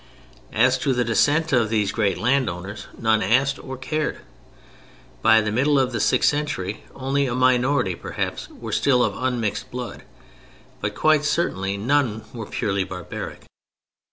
As to the descent of these great landowners none asked or cared. By the middle of the sixth century only a minority perhaps were still of unmixed blood, but quite certainly none were purely barbaric.